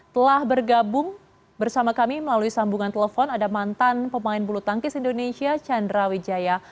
telah bergabung bersama kami melalui sambungan telepon ada mantan pemain bulu tangkis indonesia chandra wijaya